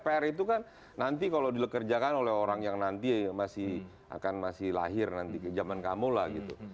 pr itu kan nanti kalau dikerjakan oleh orang yang nanti masih akan masih lahir nanti ke zaman kamu lah gitu